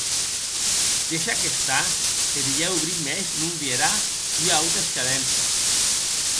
Deishà'c estar, e dilhèu bric mès non vierà ua auta escadença!